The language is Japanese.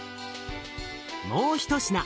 もう一品。